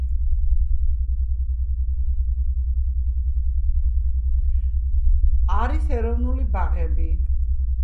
არის ეროვნული ბაღები